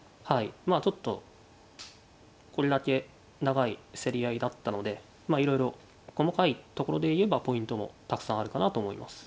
まあちょっとこれだけ長い競り合いだったのでまあいろいろ細かいところで言えばポイントもたくさんあるかなと思います。